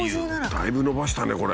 だいぶ伸ばしたねこれ。